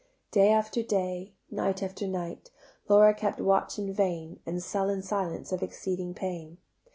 Day after day, night after night, Laura kept watch in vain In sullen silence of exceeding pain.